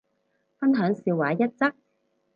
分享笑話一則